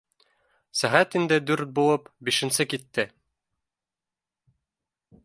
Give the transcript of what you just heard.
Сәғәт инде дүрт булып, бишенсе китте